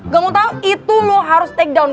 gak mau tau itu lu harus takedown